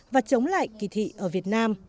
và chống lại kỳ thị ở việt nam